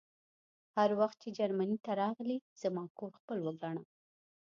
هر وخت چې جرمني ته راغلې زما کور خپل وګڼه